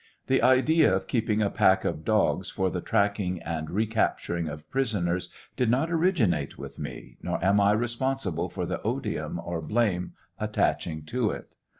The idea of keeping a pack of dogs for the tracking and recapturing of pris oners did not originate with me, nor am I responsible for the odium or blame attaching to it.